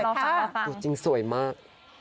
รอฟังรอฟังจริงสวยมาก